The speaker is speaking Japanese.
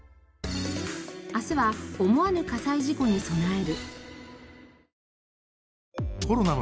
明日は思わぬ火災事故に備える。